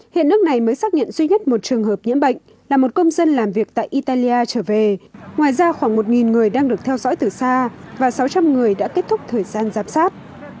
hiện nước này mới xác nhận duy nhất một trường hợp nhiễm bệnh là một công dân làm việc tại italia trở về ngoài ra khoảng một người đang được theo dõi từ xa và sáu trăm linh người đã kết thúc thời gian giám sát